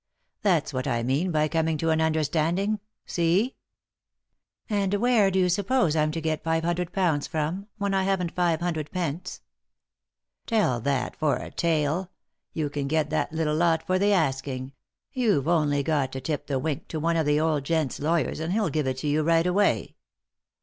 That's what I mean by coming to an understanding — see ?"" And where do you suppose I'm to get five hundred pounds from, when I haven't five hundred pence ?" "Tell that for a tale 1 You can get that little lot for the asking ; you've only got to tip the wink to One of the old gent's lawyers, and he'll give it you right away."